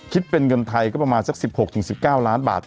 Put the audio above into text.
คิดเป็นเงินไทยก็ประมาณสัก๑๖๑๙ล้านบาท